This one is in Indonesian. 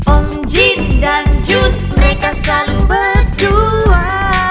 om jin dan jun mereka selalu berdua